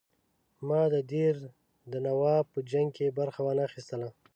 ما د دیر د نواب په جنګ کې برخه وانه خیستله.